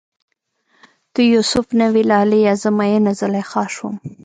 ته یو سف نه وی لالیه، زه میینه زلیخا شوم